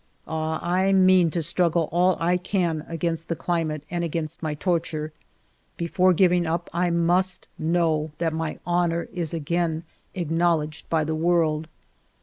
Ah, I mean to struggle all I can against the climate and against my torture. Before giving up I must know that my honor is again acknowledged by the world.